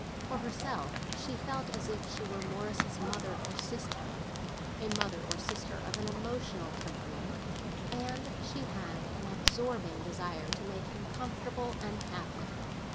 For herself, she felt as if she were Morris's mother or sister—a mother or sister of an emotional temperament—and she had an absorbing desire to make him comfortable and happy.